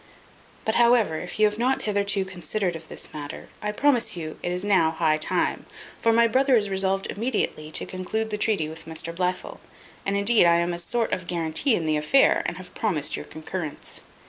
But however, if you have not hitherto considered of this matter, I promise you it is now high time, for my brother is resolved immediately to conclude the treaty with Mr Blifil; and indeed I am a sort of guarantee in the affair, and have promised your concurrence."